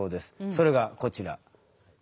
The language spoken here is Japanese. それがこちら。